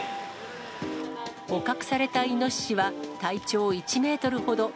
捕獲されたイノシシは、体長１メートルほど。